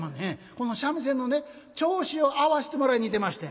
この三味線のね調子を合わしてもらいに行ってましてん」。